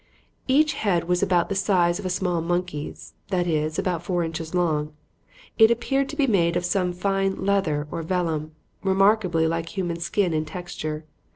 Each head was about the size of a small monkey's, that is, about four inches long. It appeared to be made of some fine leather or vellum, remarkably like human skin in texture.